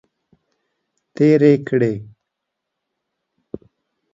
تیرې کړې.